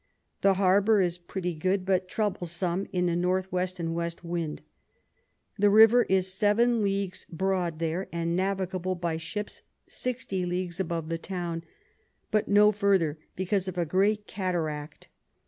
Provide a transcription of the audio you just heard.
The Harbour is pretty good, but troublesom in a N W. and W. Wind. The River is 7 Ls. broad there, and navigable by Ships 60 Ls. above the Town, but no further, because of a great Cataract.